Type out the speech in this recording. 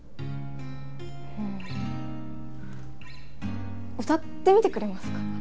うん歌ってみてくれますか？